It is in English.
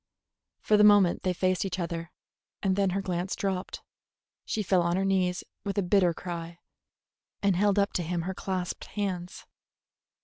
For the moment they faced each other, and then her glance dropped. She fell on her knees with a bitter cry, and held up to him her clasped hands.